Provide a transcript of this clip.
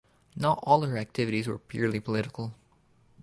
Not all her activities were purely political.